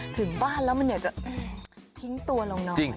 ถึงบ้านแล้วมันอยากจะทิ้งตัวลงนอน